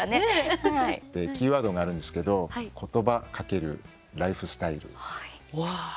キーワードがあるんですけど「ことば×ライフスタイル」。